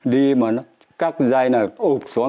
đi mà nó cắt dây này ụp xuống quang